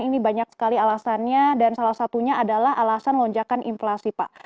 ini banyak sekali alasannya dan salah satunya adalah alasan lonjakan inflasi pak